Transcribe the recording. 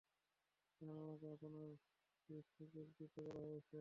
Sir, আমাকে আপনার shift যোগ দিতে বলা হয়েছে।